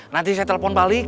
nanti saya telepon balik